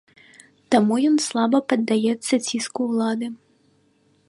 Таму ён слаба паддаецца ціску ўлады.